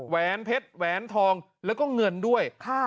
แหวนเพชรแหวนทองแล้วก็เงินด้วย